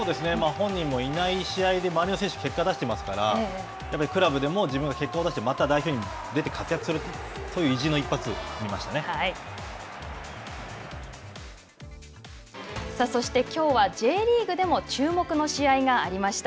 本人もいない試合で、周りの選手が結果を出していますから、やっぱりクラブでも、自分が結果を出して、また代表に出て、活躍すると、そういう意地の一発を見ましそしてきょうは、Ｊリーグでも注目の試合がありました。